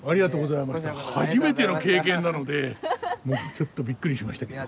初めての経験なのでちょっとびっくりしましたけど。